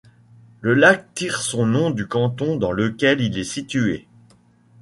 Le lac tire son nom du canton dans lequel il est situé.